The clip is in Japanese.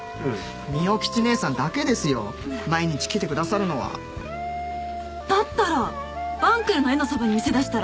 美代吉姐さんだけですよ毎日来てくださるのはだったら晩来の絵のそばに店出したら？